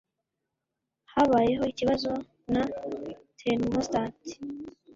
Habayeho ikibazo na thermostat.